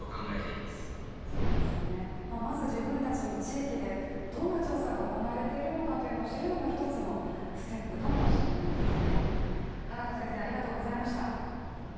まず自分たちの地域でどんな調査が行われているのかを知るのも一つのステップかもしれないですね。